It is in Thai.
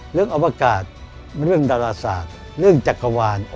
อวกาศเรื่องดาราศาสตร์เรื่องจักรวาล